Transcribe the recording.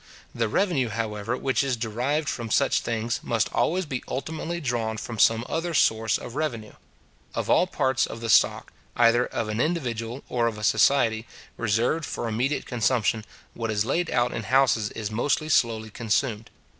The revenue, however, which is derived from such things, must always be ultimately drawn from some other source of revenue. Of all parts of the stock, either of an individual or of a society, reserved for immediate consumption, what is laid out in houses is most slowly consumed.